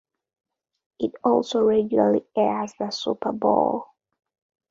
It also regularly airs the Super Bowl.